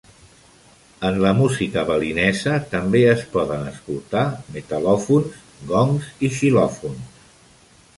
En la música balinesa també es poden escoltar metal·lòfons, gongs i xilòfons.